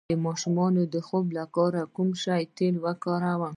د ماشوم د خوب لپاره د کوم شي تېل وکاروم؟